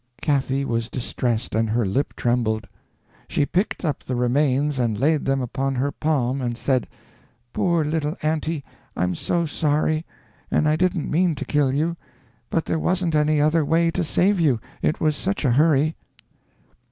Cathy was distressed, and her lip trembled. She picked up the remains and laid them upon her palm, and said: "Poor little anty, I'm so sorry; and I didn't mean to kill you, but there wasn't any other way to save you, it was such a hurry."